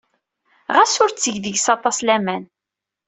Ɣas ur tteg deg-s aṭas laman.